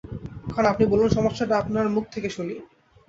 এখন আপনি বলুন, সমস্যাটা আপনার মুখ থেকে শুনি।